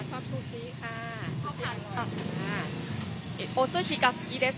おすしが好きです。